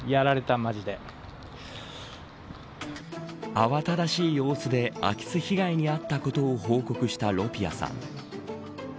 慌ただしい様子で空き巣被害に遭ったことを報告したロピアさん。